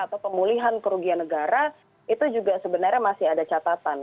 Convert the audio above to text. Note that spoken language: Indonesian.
atau pemulihan kerugian negara itu juga sebenarnya masih ada catatan